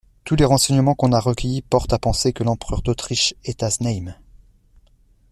Tous les renseignemens qu'on a recueillis portent à penser que l'empereur d'Autriche est à Znaïm.